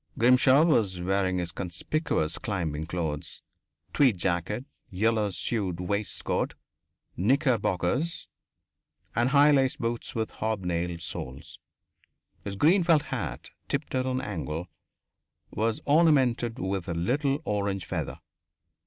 Grimshaw was wearing his conspicuous climbing clothes tweed jacket, yellow suede waistcoat, knickerbockers, and high laced boots with hob nailed soles. His green felt hat, tipped at an angle, was ornamented with a little orange feather.